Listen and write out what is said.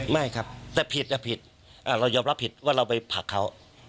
ไม่ครับแต่ผิดแต่ผิดเรายอมรับผิดว่าเราไปผลักเขา